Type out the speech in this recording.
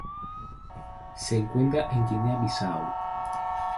Se encuentra en Guinea-Bissau.